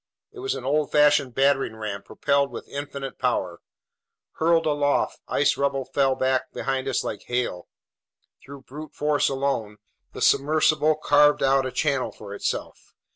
It was an old fashioned battering ram propelled with infinite power. Hurled aloft, ice rubble fell back around us like hail. Through brute force alone, the submersible carved out a channel for itself.